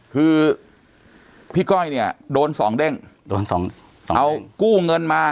คือพี่ก้อยเนี่ยโดนสองเด้งโดนสองสองเอากู้เงินมา